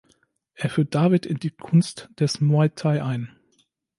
Er führt David in die Kunst des Muay Thai ein.